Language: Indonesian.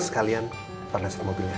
sekalian pernah siap mobilnya